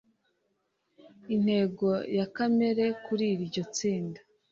Intego ya kamera kuri iryo tsinda.